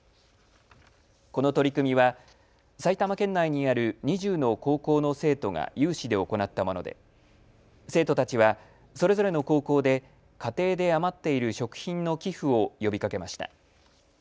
この取り組みは埼玉県内にある２０の高校の生徒が有志で行ったもので生徒たちはそれぞれの高校で家庭で余っている食品の寄付を呼びかけました。